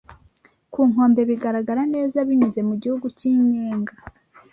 Ku nkombe, bigaragara neza binyuze mu gihu cy'inyenga"